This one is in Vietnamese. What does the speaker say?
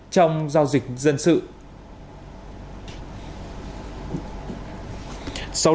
trong giao dịch dân sự